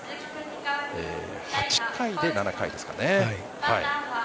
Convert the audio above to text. ８回で７回ですかね。